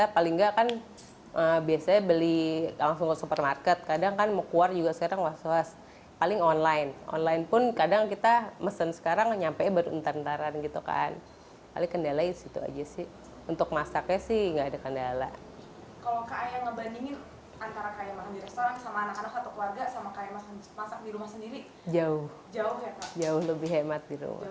masak di rumah sendiri jauh lebih hemat